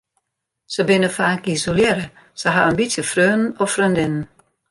Se binne faak isolearre, se ha in bytsje freonen of freondinnen.